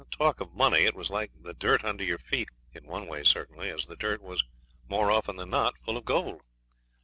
Talk of money, it was like the dirt under your feet in one way, certainly as the dirt was more often than not full of gold.